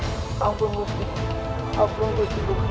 ampun gusti ampun gusti prabu